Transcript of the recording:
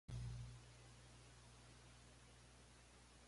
全部攏看無